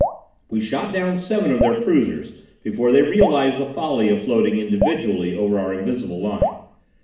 We shot down seven of their cruisers before they realized the folly of floating individually over our invisible line.